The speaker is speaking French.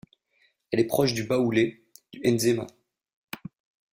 Elle est proche du baoulé, du nzema.